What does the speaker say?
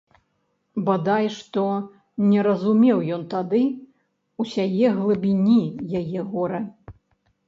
Бадай што не разумеў ён тады ўсяе глыбіні яе гора.